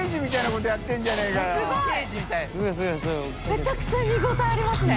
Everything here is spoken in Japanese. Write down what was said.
めちゃくちゃ見応えありますね。